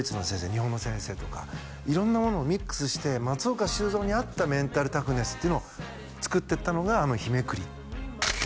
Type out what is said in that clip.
日本の先生とか色んなものをミックスして松岡修造に合ったメンタルタフネスっていうのを作っていったのがあの「日めくり」ですね